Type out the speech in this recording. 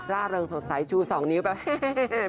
ร่าเริงสดใสชูสองนิ้วแบบเฮ้เฮเฮเฮ